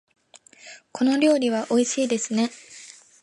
この料理はおいしいですね。